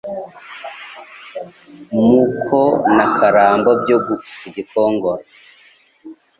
Muko na Karambo byo ku Gikongoro